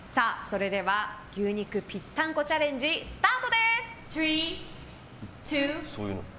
牛肉ぴったんこチャレンジスタートです。